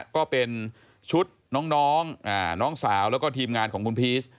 ก็เป็นชุดน้องน้องสาวแล้วก็ทีมงานของคุณพีช